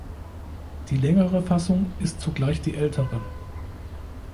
Die längere Fassung ist zugleich die ältere.